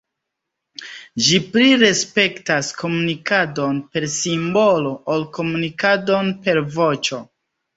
Ĝi pli respektas komunikadon per simbolo ol komunikadon per voĉo.